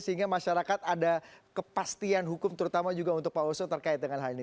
sehingga masyarakat ada kepastian hukum terutama juga untuk pak oso terkait dengan hal ini